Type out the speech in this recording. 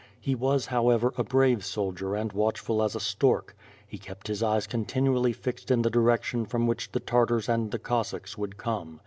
He was however a brave soldier and watchful as a stork. He kept his eyes continually fixed in the direction from which the Tartars and the Cossacks would come.